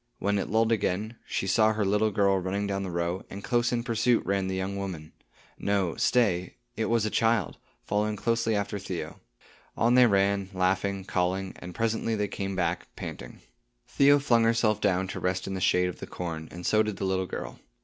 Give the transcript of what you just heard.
When it lulled again, she saw her little girl running down the row, and close in pursuit ran the young woman. No, stay. It was a child, following closely after Theo. On they ran, laughing, calling, and presently they came back, panting. Theo flung herself down to rest in the shade of the corn, and so did the little girl.